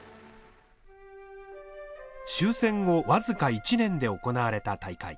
終戦後僅か１年で行われた大会。